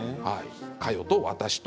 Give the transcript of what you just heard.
「カヨと私」